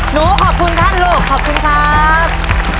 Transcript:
ขอบคุณท่านลูกขอบคุณครับ